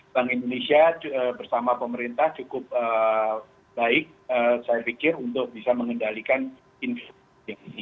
bank indonesia bersama pemerintah cukup baik saya pikir untuk bisa mengendalikan inflasi